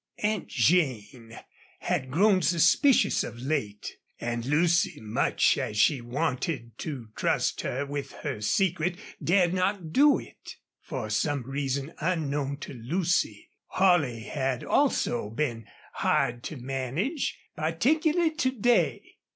Aunt Jane had grown suspicious of late, and Lucy, much as she wanted to trust her with her secret, dared not do it. For some reason unknown to Lucy, Holley had also been hard to manage, particularly to day.